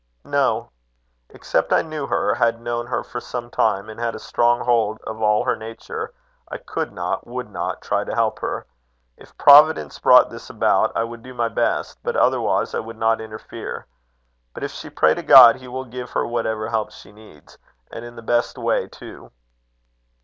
"No. Except I knew her, had known her for some time, and had a strong hold of all her nature, I could not, would not try to help her. If Providence brought this about, I would do my best; but otherwise I would not interfere. But if she pray to God, he will give her whatever help she needs, and in the best way, too."